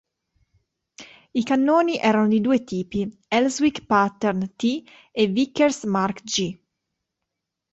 I cannoni erano di due tipi: Elswick Pattern "T" e Vickers Mark "G".